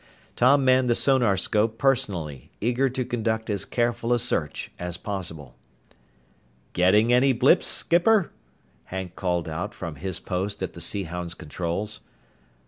Tom manned the sonarscope personally, eager to conduct as careful a search as possible. "Getting any blips, skipper?" Hank called out from his post at the Sea Hound's controls.